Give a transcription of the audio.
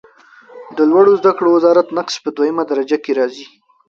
د لوړو زده کړو وزارت نقش په دویمه درجه کې راځي.